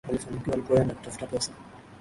Alifanikiwa alipoenda kutafuta pesa